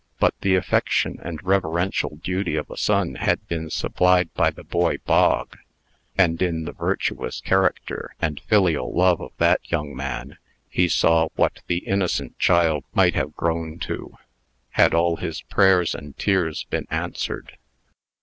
But the affection and reverential duty of a son had been supplied by the boy Bog; and, in the virtuous character and filial love of that young man, he saw what the innocent child might have grown to, had all his prayers and tears been answered.